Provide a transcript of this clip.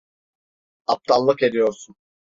Aptallık ediyorsun.